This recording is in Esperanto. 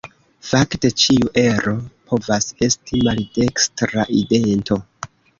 Fakte, ĉiu ero povas esti maldekstra idento.